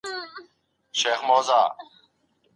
قانونيت په سياست کي څه رول لري؟